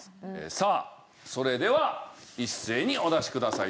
さあそれでは一斉にお出しください。